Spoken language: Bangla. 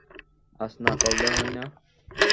আজ না করলে হয় না?